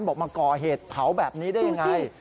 บอกมาก่อเหตถพาวแบบนี้ได้อย่างไร